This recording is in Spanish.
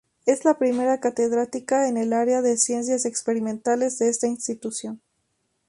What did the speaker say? Es la primera catedrática en el área de Ciencias Experimentales de esta institución.